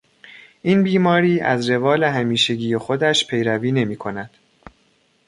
این بیماری از روال همیشگی خودش پیروی نمیکند.